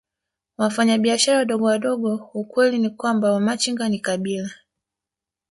Wafanyabiashara wadogowadogo Ukweli ni kwamba Wamachinga ni kabila